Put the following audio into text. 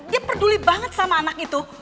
dia peduli banget sama anak itu